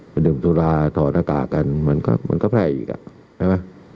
ดื่มตุลาถอดหน้ากากกันมันก็แพร่อีกอ่ะใช่ไหม